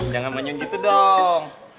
jangan menyung gitu dong